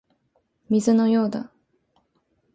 水のようだ